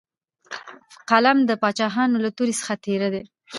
قلم د باچاهانو له تورې څخه تېره دی.